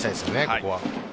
ここは。